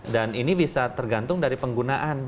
dan ini bisa tergantung dari penggunaan